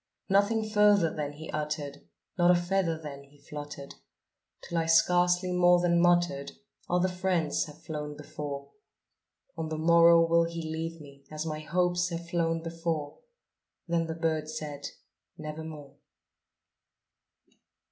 Nothing further then he uttered not a feather then he fluttered Till I scarcely more than muttered "Other friends have flown before On the morrow will he leave me, as my hopes have flown before." Then the bird said, "Nevermore."